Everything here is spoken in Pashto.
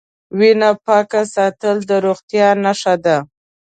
وینه پاکه ساتل د روغتیا نښه ده.